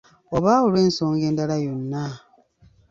Oba olw’ensonga endala yonna.